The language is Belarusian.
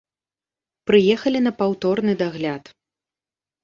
Прыехалі на паўторны дагляд.